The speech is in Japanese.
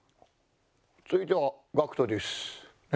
「続いてはＧＡＣＫＴです」。